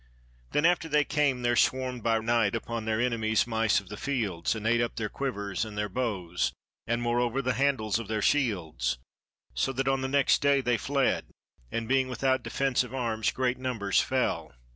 Then after they came, there swarmed by night upon their enemies mice of the fields, and ate up their quivers and their bows, and moreover the handles of their shields, so that on the next day they fled, and being without defence of arms great numbers fell.